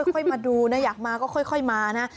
ค่อยมาดูนะอยากมาก็ค่อยมานะ